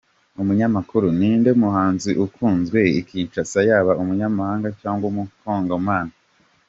Umunyamakuru: Ninde muhanzi ukunzwe i Kinshasa yaba umunyamahanga cyangwa umukongomani?.